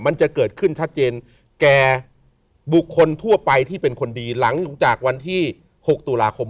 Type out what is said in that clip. มันจะเกิดขึ้นชัดเจนแก่บุคคลทั่วไปที่เป็นคนดีหลังจากวันที่๖ตุลาคม